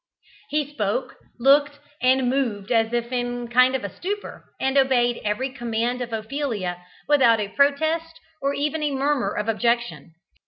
He spoke, looked, and moved as if in a kind of stupor, and obeyed every command of Ophelia without a protest or even a murmur of objection.